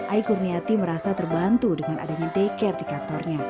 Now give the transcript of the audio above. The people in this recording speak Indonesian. aiko riniati merasa terbantu dengan adanya deker di kantornya